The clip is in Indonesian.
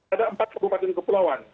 ada empat kebupatan kepulauan